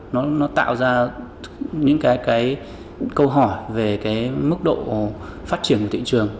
nó tạo ra những câu hỏi về mức độ phát triển của thị trường